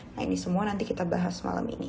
nah ini semua nanti kita bahas malam ini